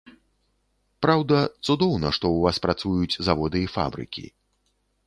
Праўда, цудоўна, што ў вас працуюць заводы і фабрыкі.